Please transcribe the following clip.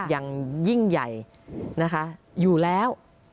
อย่างยิ่งใหญ่นะคะอยู่แล้ว